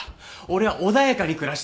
俺は穏やかに暮らしたいんだ。